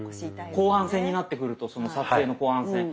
後半戦になってくるとその撮影の後半戦。